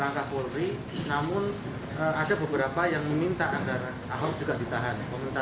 namun ada beberapa yang meminta agar akhruf juga ditahan